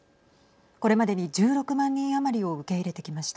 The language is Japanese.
これまでに１６万人余りを受け入れてきました。